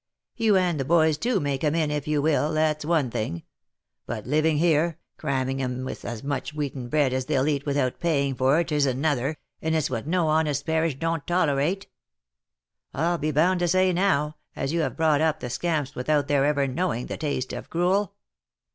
You and the boys too may come in if you will, that's one thing; but living here, cramming 'em with as much wheaten bread as they'll eat without paying for it, is another, and it's what no honest parish don't tolerate. I'll be bound to say now, as you have brought up the scamps without their ever knowing the taste of gruel